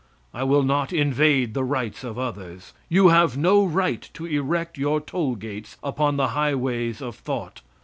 I will not invade the rights of others. You have no right to erect your toll gates upon the highways of thought.